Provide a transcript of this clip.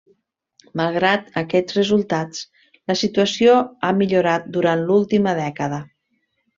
Malgrat aquests resultats, la situació ha millorat durant l'última dècada.